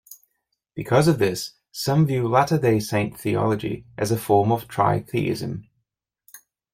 Because of this, some view Latter-day Saint theology as a form of tri-theism.